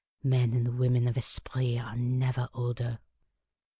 Men and women of esprit are never older.